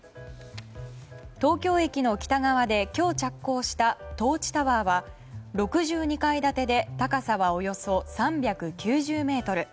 東京駅の北側で今日、着工したトーチタワーは６２階建てで高さは、およそ３９０ｍ。